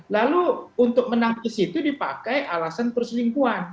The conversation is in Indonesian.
lalu untuk menangkis itu dipakai alasan perselingkuhan